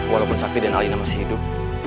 walaupun safir dan alina masih hidup